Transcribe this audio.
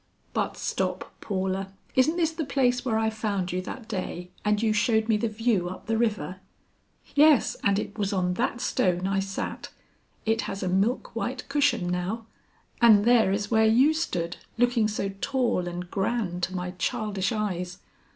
But stop, Paula; isn't this the place where I found you that day, and you showed me the view up the river?" "Yes, and it was on that stone I sat; it has a milk white cushion now; and there is where you stood, looking so tall and grand to my childish eyes!